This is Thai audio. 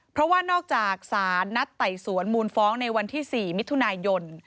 เพราะว่านอกจากสารนัดไต่สวนมูลฟ้องในวันที่๔มิถุนายน